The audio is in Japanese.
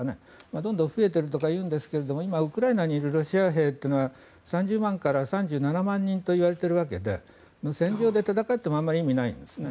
どんどん増えているとかいうんですが今、ウクライナにいるロシア兵というのは３０万から３７万人といわれているわけで戦場で戦ってもあまり意味ないんですね。